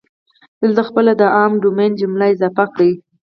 دلته خپله د عام ډومین جمله اضافه کړئ.